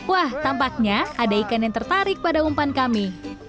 wah tampaknya ada ikan yang tertarik pada umpan kami